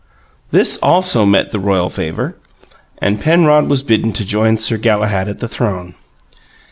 This also met the royal favour, and Penrod was bidden to join Sir Galahad at the throne.